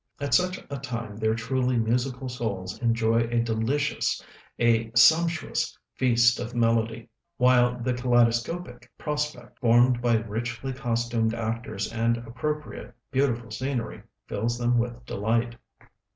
At such a time their truly musical souls enjoy a delicious, a sumptuous feast of melody; while the kaleidoscopic prospect, formed by richly costumed actors, and appropriate, beautiful scenery, fills them with delight.